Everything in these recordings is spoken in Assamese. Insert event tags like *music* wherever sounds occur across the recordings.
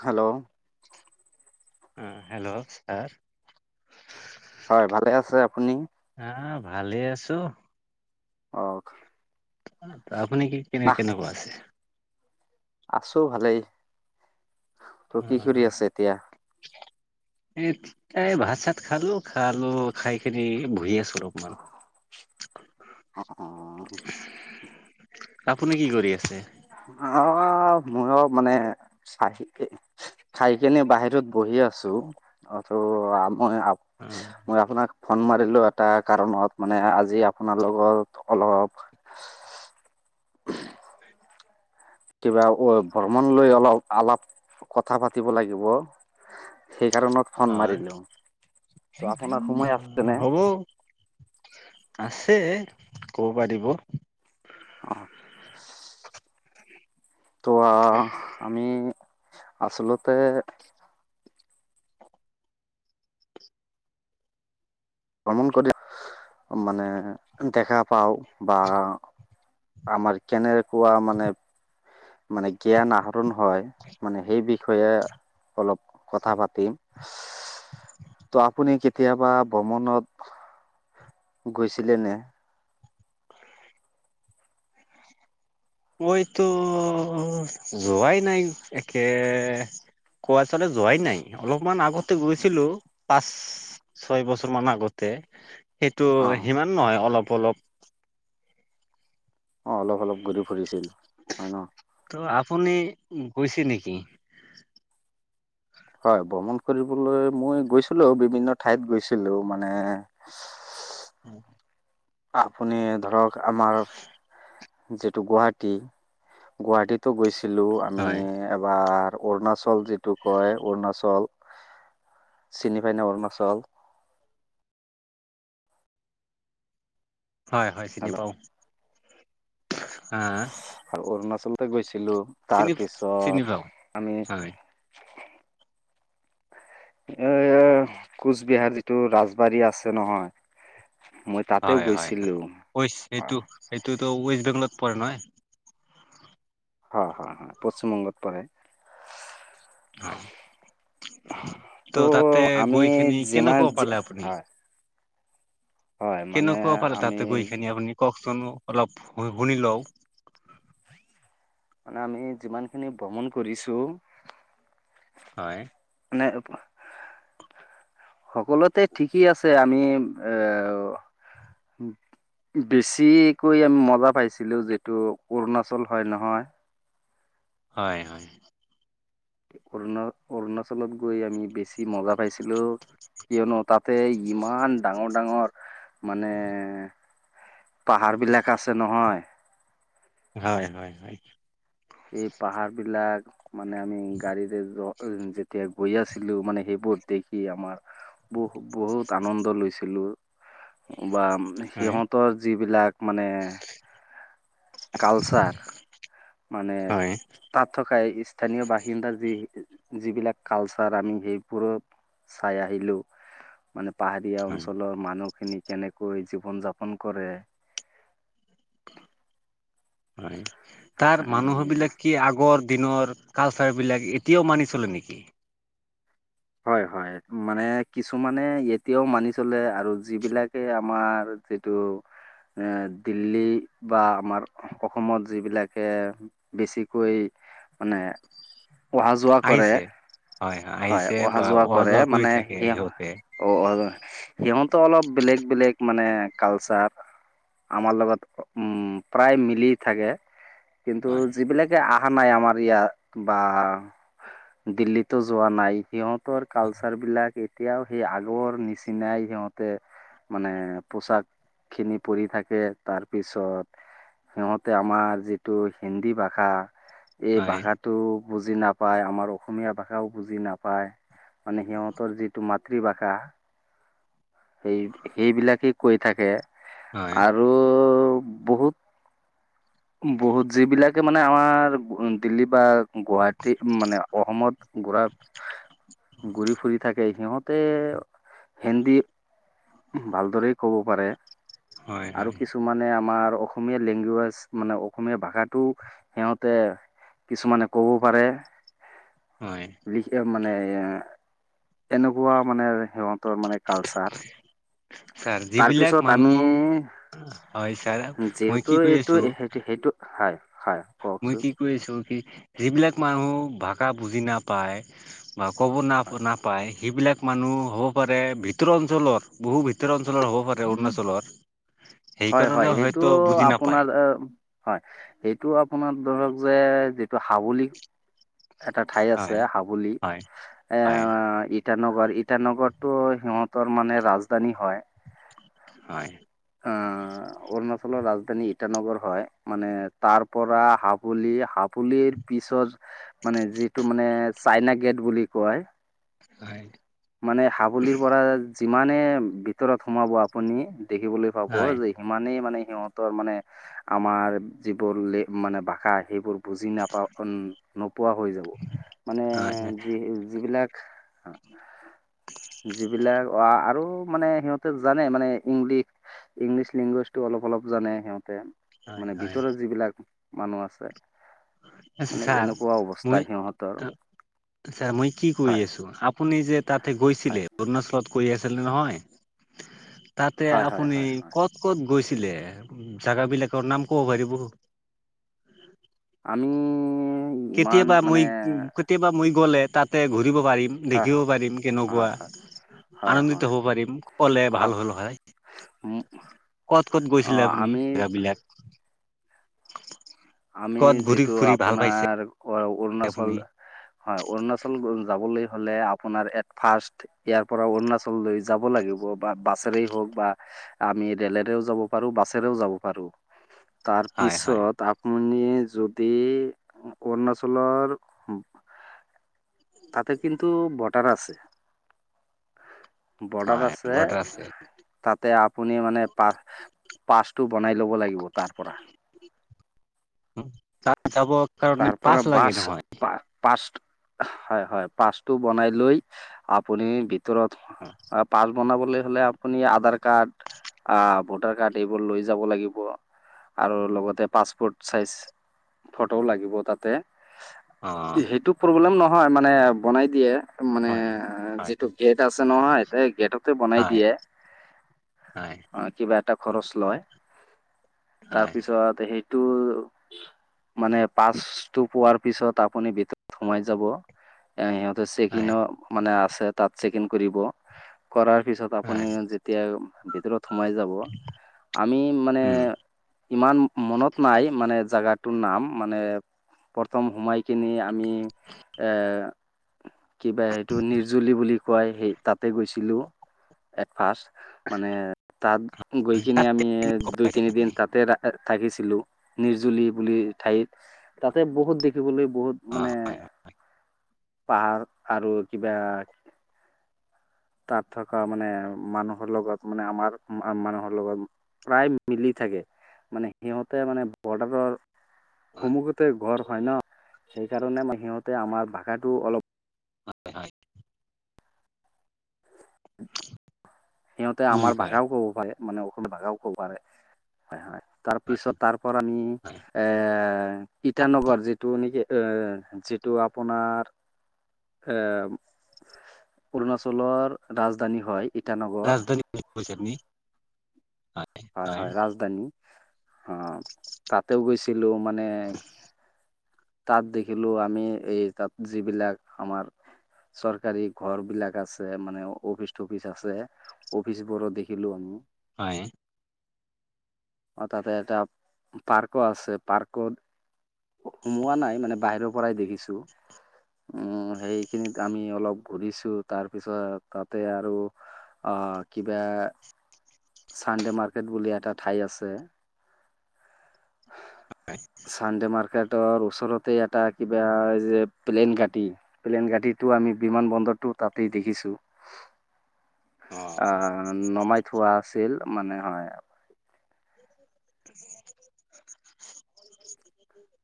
হেল্ল'? উম হেল্ল' ছাৰ। হয়, ভালে আছে আপুনি? হা, ভালে আছোঁ। অ'। আপুনি কি, কেনে, কেনেকুৱা আছে? আছোঁ ভালেই। ত উম কি কৰি উম। আছে এতিয়া এ, তাই ভাত চাত খালো খালো খাই কিনি এ বহি আছোঁ ৰ। মা হ হুম। অ আপুনি কি কৰি আছে? অ, ময়ো মানে চাকে। খাই কেনে, বাহিৰত বহি আছোঁ অ ত আম মই। অ মই আপোনাক ফোন মাৰিলোঁ এটা কাৰণত মানে আজি আপোনাৰ লগত অলপ। কিবা অ ভ্ৰমণ লৈ অলপ অলপ কথা পাতিব লাগিব। সেই কাৰণত ফোন হয় মাৰিলোঁ, ত, আপোনাৰ সোমাই আছে নে? উম। আছে ক'ব পাৰিব। আহ। তো আহ আমি আচলতে। ভ্ৰমণ কৰি মানে দেখা পাওঁ বা। আমাৰ কেনেকোৱা মানে। মানে জ্ঞান আহৰণ হয় মানে সেই বিষয়ে। অলপ কথা পাতিম ত আপুনি কেতিয়াবা। ভ্ৰমনত। গৈছিলে নে। মইতো যোৱাই নাই একে। কোৱা চলে যোৱাই নাই অলপমান আগত। ত গৈছিলোঁ পাঁচ, ছয় বছৰ মান আগতে সেইটো অ', সিমান। নহয় অলপ অলপ। অ, অলপ অলপ ঘূৰি ফুৰিছিল হয় ন। ত আপুনি গৈছে নেকি? হয়, ভ্ৰমণ কৰিবলৈ মই গৈছিলোঁ, বিভিন্ন ঠাইত গৈছিলোঁ মানে। উম। আপুনি এ ধৰক আমাৰ। যিটো গুৱাহাটী গুৱাহাটীতো গৈছিলো আমি হয় বাৰ অৰুণাচল যিটো কয় অৰুণাচল চিনি পাই নে অৰুণাচল? হয় - হয়, চিনি পাওঁ হাঁ? আৰু অৰুণাচলতে গৈছিলোঁ তাৰ চিনি পাওঁ পিছত আমি *inaudible* হয় এ এ কোচবিহাৰ যিটো ৰাজবাৰী আছে নহয় মই তাতেও হয়, হয়, গৈছিলো হয়, ৱেষ্ট হয় এইটো সেইটোতো ৱেষ্ট বেংগলত পৰে নহয়? হয়, হয়, হয়, পশ্চিমবংগত পৰে। হয় ত' তাতে আমি গৈ খিনি যিমান কেনেকোৱা পালে আপুনি? হয় হয় মানে কেনেকোৱা পালে আমি তাতে গৈ কিনি আপুনি কওকচোন অলপ শুনি লওঁ। মানে আমি যিমানখিনি ভ্ৰমণ কৰিছোঁ হয়। মানে সকলোতে ঠিকেই আছে আমি এ বেছিকৈ আমি মজা পাইছিলোঁ যিতু অৰুণাচল হয় নহয় হয় - হয় অৰুণা অৰুণাচলত গৈ আমি বেছি মজা পাইছিলোঁ কিয়নো তাতে ইমান ডাঙৰ ডাঙৰ মানে পাহাৰ বিলাক আছে নহয় হয়, হয়, হয়। এই পাহাৰ বিলাক মানে আমি গাড়ীৰে যো যেতিয়া গৈ আছিলোঁ মানে সেইবোৰ দেখি আমাৰ বহু বহুত আনন্দ লৈছিলো। বা হয় সিহঁতৰ যিবিলাক মানে কালচাৰ মানে হয় তাত থকা স্থানীয় বাসিন্দাৰ যি যিবিলাক কালচাৰ আমি সেইবোৰত চাই আহিলো মানে পাহাৰীয়া হয় অঞ্চলৰ মানুহখিনি কেনেকৈ জীৱন যাপন কৰে হয়, তাৰ মানুহ বিলাক কি আগৰ দিনৰ কালচাৰ বিলাক এতিয়াও মানি চলে নেকি? হয় - হয়, মানে কিছুমানে এতিয়াও মানি চলে আৰু যিবিলাকে আমাৰ যিটো এ দিল্লী বা আমাৰ অসমত যিবিলাকে বেছিকৈ মানে অহা যোৱা কৰে আহিছে হয় আহিছে অহা বা যোৱা কৰে কৰি মানে থাকে সেই অ', সিহঁতে অ', সিহঁত অলপ বেলেগ বেলেগ মানে কালচাৰ আমাৰ লগত উম, প্ৰায় মিলি থাকে কিন্তু হয় যিবিলাক আহা নাই আমাৰ ইয়াত বা দিল্লীতো যোৱা নাই সিহঁত তো আৰু কালচাৰ বিলাক। এতিয়াও সেই আগৰ নিচিনাই সিহঁতে মানে পোচাক খিনি পৰি থাকে তাৰ পিছত সিহঁতে আমাৰ যিটো হিন্দী ভাষা এই হয়, ভাষাটো বুজি নাপাই আমাৰ অসমীয়া ভাষাও বুজি না পাই মানে সিহঁতৰ যিটো মাতৃভাষা সেই সেইবিলাকে কৈ থাকে হয়, আৰু বহুত বহুত যিবিলাকে মানে আমাৰ দিল্লী বা গুৱাহাটী মানে অসমত গুৰা, ঘুৰি- ফুৰি থাকে, সিহঁত তে হিন্দী ভালদৰেই ক'ব পাৰে, হয়, আৰু হয়, কিছু মানে আমাৰ অসমীয়া লেংগুৱেজ মানে অসমীয়া ভাষাটোও সিহঁতে কিছুমানে ক'ব পাৰে। হয়। *unintelligible* মানে এ এনেকুৱা মানে সিহঁতৰ মানে কালচাৰ। ছাৰ যিবিলাক তাৰপিছত আমি মানুহ হয়, ছাৰ মই কি কৈ আছো? টো সেইটো সেইটো, হয়, হয়, কওকচোন? কৈছোঁ কি সেইবিলাক মানুহ ভাষা বুজি নাপায় বা ক'ব নাপ হয় নাপায় সেইবিলাক মানুহ হ'ব পাৰে ভিতৰু অঞ্চলৰ, বহু ভিত অঞ্চলৰ হ'ব পাৰে অৰুণাচলৰ। হয়, হয়। সেইকাৰণে সেইটো হয়তো বুজি নাপায় আপোনাৰ আহ! হয়, এইটো আপোনাৰ ধৰক যে, যিটো হাৱলী এটা ঠাই আছে হয়, হাৱলী। হয়, এ হয়, ইটানগৰ, ইটানগৰটো সিহঁতৰ মানে ৰাজধানী হয়। হয়। অ। অৰুণাচলৰ ৰাজধানী ইটানগৰ হয়, মানে তাৰ পৰা হাবুলি হাবুলিৰ পিছত মানে যিটো মানে চাইনা গেট বুলি কয় হয়। মানে হাবুলীৰ পৰা যিমানে ভিতৰত সোমাব আপুনি, দেখিবলৈ পাব হয়, যে সিমানেই মানে সিহঁতৰ মানে, আমাৰ যিবোৰ লে মানে ভাষা সেইবোৰ বুজি নাপাওঁ নোপোৱা হৈ যাব, মানে হয়, যি যিবিলাক যিবিলাক আৰু মানে সিহঁতে জানে মানে ইংলিছ- ইংলিছ লেংগুৱেজটো অলপ-অলপ জানে সিহঁতে। হয়, মানে হয়, ভিতৰত যিবিলাক মানুহ আছে মানে ছাৰ, এনেকুৱা অৱস্থা মই সিহঁতৰ ছাৰ, মই কি কৈ হয় আছো? আপুনি যে তাতে গৈছিলে, হয় অৰুণাচলত গৈ আছিল নহয় তাতে হয় হয় আপুনি হয় হয় ক'ত ক'ত গৈছিলে? জাগ বিলাকৰ নাম ক'ব পাৰিব? আমি ইমান কেতিয়াবা মানে মই কেতিয়াবা মই গ'লে তাতে ঘূৰিব পাৰিম। হয় দেখিব পাৰিম হয় কেনেকুৱা? হয় হয় হয় আনন্দিত হ'ব পাৰিম, ক'লে ভাল আ- হ'ল হয়। ক'ত ক'ত অ গৈছিলে আপুনি, আমি জেগাবিলাক? আমি ক'ত ঘূৰি যিটো ফুৰি ভাল পাইছে আপোনাৰ অ অৰুণাচল আপুনি? হয়, অৰুণাচল যাবলৈ হ'লে আপোনাৰ এট ফাষ্ট ইয়াৰ পৰা অৰুণাচল লৈ যাব লাগিব বা বাছেৰেই হওঁক বা আমি ৰেলেৰেও যাব পাৰো, বাছেৰেও যাব পাৰোঁ। হয় হয় তাৰপিছত, আপুনি যদি অৰুণাচলৰ উম, তাতে কিন্তু বডাৰ আছে। বডাৰ হয় আছে। বৰ্ডাৰ আছে। তাতে, আপুনি মানে পা পাছটো বনাই ল'ব লাগিব তাৰ পৰা। তাত যাবৰ কাৰণে পাছ লাগে নহয়। পাছত হয় হয় পাছটো বনাই লৈ আপুনি ভিতৰত অ'। অ', পাছ বনাবলৈ হ'লে আপুনি আধাৰ কাৰ্ড আহ ভোটাৰ কাৰ্ড এইবোৰ লৈ যাব লাগিব আৰু লগতে পাছপোৰ্ট চাইজ ফটোও লাগিব তাতে অ' সেইটো প্ৰব্লেম নহয় মানে বনাই দিয়ে। মানে হয় হয়। হয় যিটো গেট আছে নহয় গেটতে বনাই হয় দিয়ে। হয় অ', কিবা এটা খৰচ লয়। হয় তাৰপিছত সেই মানে পাছটো পোৱাৰ পিছত আপুনি ভিতৰত সোমাই যাব। এ সিহঁতে হয় চেকিইনত মানে আছে তাত চেকিইন কৰিব কৰাৰ পিছত আপুনি হয় যেতিয়া ভিতৰত সোমাই যাব আমি মানে উম ইমান মনত নাই মানে জেগা টো নাম মানে প্ৰথম সোমাই কিনি আমি এ কিবা সেইটো নিৰ্জুলি বুলি কয় সেই তাতে গৈছিলো। এট ফাষ্ট মানে তাত গৈ কিনি তাত আমি দুই তিনি দিন তাতে থাকিছিলো নিৰ্জুলি বুলি ঠাইত তাতে বহুত দেখিবলৈ বহুত অ', হয়, হয়। হয় পাৰ্ক আৰু কিবা তাত থকা মানে মানুহৰ লগত মানে আমাৰ মানুহৰ লগত প্ৰায় মিলি থাকে। মানে সিহঁতে মানে বৰ্ডাৰৰ হয় সম্মুখতে ঘৰ হয় ন সেইকাৰণে মানে সিহঁতে আমাৰ ভাষাটো অলপ হয়, হয়। *inaudible* সিহঁতে বুজি আমাৰ পায়। ভাষাও ক'ব পাৰে মানে অসমীয়া ভাষাও ক'ব পাৰে হয় হয়। তাৰপিছত তাৰ পৰা আমি হয় এ ইটানগৰ যিটো নেকি এ যিটো আপোনাৰ এ অৰুণাচলৰ ৰাজধানী হয়। ইটানগৰ ৰাজধানী *unintelligible* হয়, হয়, ৰাজধানী অ'। তাতেও গৈছিলো মানে তাত দেখিলো আমি এই তাত যিবিলাক আমাৰ চৰকাৰী ঘৰবিলাক আছে মানে অফিচ চফিচ আছে। অফিচবোৰো দেখিলো আমি। হয়। অ', তাতে এটা পাৰ্কো আছে পাৰ্কত সোমোৱা নাই মানে বাহিৰৰ পৰাই দেখিছো। উম, সেইখিনিত আমি অলপ ঘূৰিছো তাৰপিছত তাতে আৰু অ', কিবা চানডে মাৰ্কেট বুলি এটা ঠাই আছে। চানডে মাৰ্কেট তৰ ওচৰতে এটা কিবা যে প্লেন কাটি। প্লেইন গাড়ীতো আমি বিমান বন্দৰটো তাতেই দেখিছো। অ আহ নমাই থোৱা আছিল মানে হয়। *inaudible*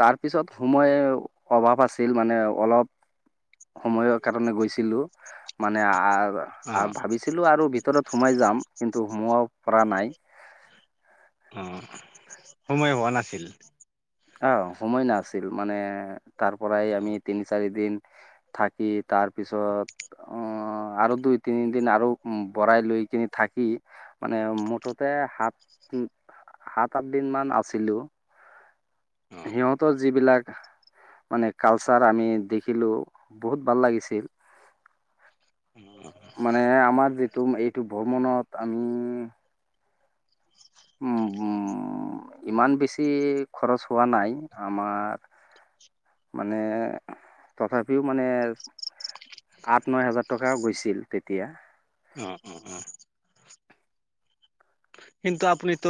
তাৰপিছত সময় অভাৱ আছিল মানে অলপ সময়ৰ কাৰণে গৈছিলো। মানে অ অ আ ভাবিছিলো আৰু ভিতৰত সোমাই যাম কিন্তু সোমাব পৰা নাই। অ সময় হোৱা নাছিল। আ সময় নাছিল মানে তাৰ পৰাই অ আমি তিনি চাৰি দিন থাকি তাৰপিছত অ আৰু দুই তিনিদিন আৰু বৰাই লৈ কিনি থাকি। মানে মুঠতে সাত সাত আঠ দিন মান আছিলো। অ অ সিহঁতৰ যিবিলাক মানে কালচাৰ আমি দেখিলোঁ বহুত ভাল লাগিছিল। উম। মানে আমাৰ যিটো এইটো ভ্ৰমণত আমি। উম উ *unintelligible* উম ইমান বেছি খৰচ হোৱা নাই আমাৰ মানে তথাপিও মানে। আঠ ন হোজাৰ টকা গৈছিল তেতিয়া। অ অ অ। কিন্তু আপুনিতো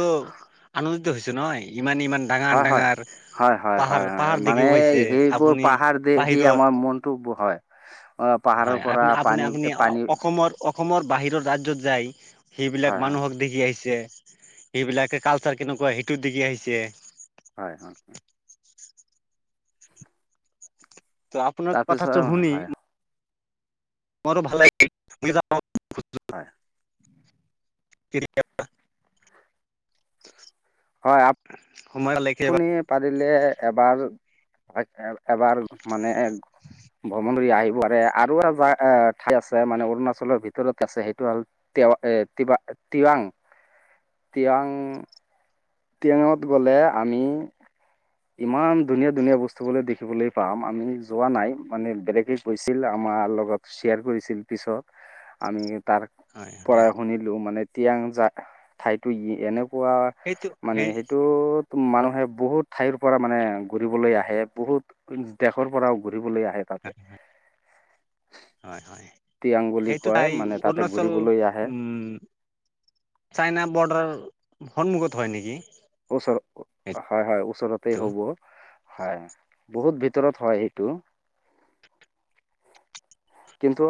আনন্দিত হৈছে নহয়, ইমান ইমান ডাঙৰ হয় হয় ডাঙৰ হয় হয় পাহাৰ হয় হয় পাহাৰ মানে দেখিব পাইছে সেইবোৰ আপুনি পাহাৰ দেখি বাহিৰৰ আমাৰ মন টো হয়। অ পাহাৰৰ হয় আপ পৰা আপুনি পানী আপুনি পানী অসমৰ অসমৰ বাহিৰৰ ৰাজ্যত যায় হয় সেইবিলাক হয় মানুহক দেখি আহিছে। সেইবিলাকে কালচাৰ কেনেকুৱা সেইটোত দেখি আহিছে। হয় হয়। ত আপোনাৰ তাৰপিছত কথাটো শুনি। হয় মোৰো ভাল লাগ হয়। *unintelligible* *inaudible* হয় আপ সময়ৰ লৈকে বা পাৰিলে এবাৰ এবাৰ মানে ভ্ৰমণ আহিব আৰু এটা যা ঠাই আছে মানে অৰুণাচলৰ ভিতৰত আছে সেইটো আৰু তেৱ এ তিবাং তিৱাং তিৱাং তিৱাংত গ'লে আমি ইমান ধুনীয়া ধুনীয়া বস্তুবোলে দেখিবলৈ পাম আমি যোৱা নাই মানে বেলেগে গৈছিল আমাৰ লগত শ্বেয়াৰ কৰিছিল পিছত, আমি তাৰ হয় হয় পৰাই শুনিলো মানে তিয়াং জা ঠাইতো এনেকুৱা সেইটো মানে সেই সেইটোত মানুহে বহুত ঠাইৰ পৰা মানে ঘূৰিবলৈ আহে বহুত দেশৰ পৰাও ঘূৰিবলৈ আহে। তাতে হয় হয়। টিয়াং বুলি সেইটো কয় তাই মানে তাতে অৰুণাচল ঘূৰিবলৈ আহে উম। চাইনা বৰ্ডাৰ সন্মুখত হয় নেকি। ওচৰ সেইটো হয় হয় ওচৰতে হ'ব। হয় বহুত ভিতৰত হয় সেইটো। কিন্তু